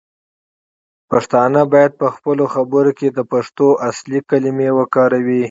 پښتانه باید پخپلو خبرو کې د پښتو اصلی کلمې وکاروي.